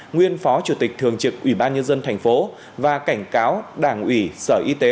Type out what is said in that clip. nguyên phó chủ tịch thường trực ủy ban nhân dân thành phố và cảnh cáo đảng ủy sở y tế